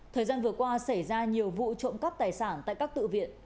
thời gian vừa qua xảy ra nhiều vụ trộm cắp tài sản tại các tự viện